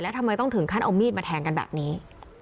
ทำไมต้องถึงขั้นเอามีดมาแทงกันแบบนี้